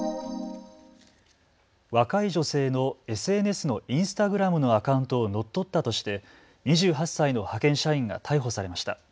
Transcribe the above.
若い女性のＳＮＳのインスタグラムのアカウントを乗っ取ったとして２８歳の派遣社員が逮捕されました。